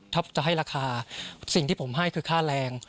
ถ้าจะให้ราคาสิ่งที่ผมให้คือค่าแรง